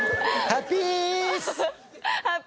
ハッピース！